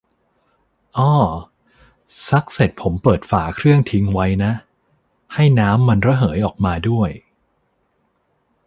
อ้อ ซักเสร็จผมเปิดฝาเครื่องทิ้งไว้นะ ให้น้ำมันระเหยออกมาด้วย